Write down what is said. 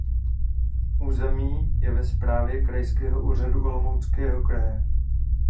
Území je ve správě Krajského úřadu Olomouckého kraje.